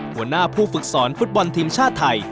หัวหน้าผู้ฝึกสอนฟุตบอลทีมชาติไทย